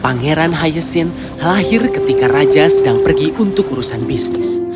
pangeran hayesin lahir ketika raja sedang pergi untuk urusan bisnis